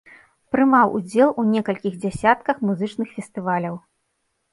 Прымаў удзел у некалькіх дзясятках музычных фестываляў.